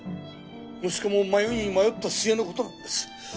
息子も迷いに迷った末のことなんです。